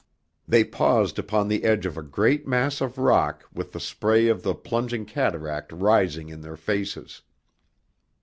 They paused upon the edge of a great mass of rock with the spray of the plunging cataract rising in their faces.